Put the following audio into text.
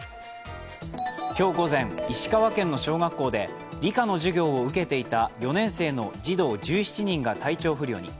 今日午前、石川県の小学校で理科の授業を受けていた４年生の児童１７人が体調不良に。